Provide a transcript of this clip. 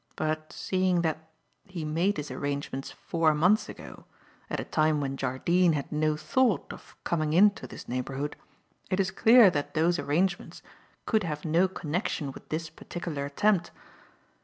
But, seeing that he made his arrangements four months ago, at a time when Jardine had no thought of coming into this neighbourhood, it is clear that those arrangements could have no connection with this particular attempt.